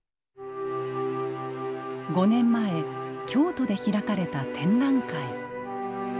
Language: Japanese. ５年前京都で開かれた展覧会。